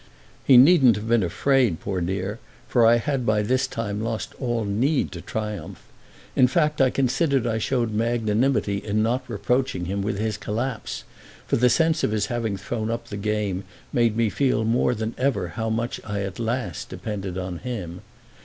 He needn't have been afraid, poor dear, for I had by this time lost all need to triumph. In fact I considered I showed magnanimity in not reproaching him with his collapse, for the sense of his having thrown up the game made me feel more than ever how much I at last depended on him.